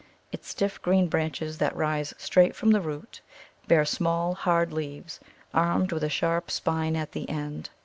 Its stiff green branches that rise straight from the root bear small, hard leaves, armed with a sharp spine at the end.